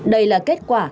đây là kết quả